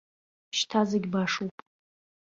Шьҭа зегь башоуп.